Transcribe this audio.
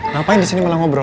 ngapain disini malah ngobrol